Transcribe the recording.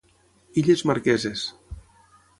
Illes Marqueses.